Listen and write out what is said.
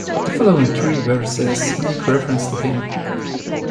The following three verses make reference to him.